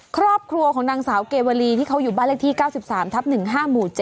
ครอบครัวของนางสาวเกวลีที่เขาอยู่บ้านเลขที่๙๓ทับ๑๕หมู่๗